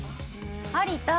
有田。